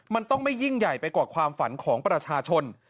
มันต้องไม่ยิ่งใหญ่ไปกว่าความฝันของประชาชน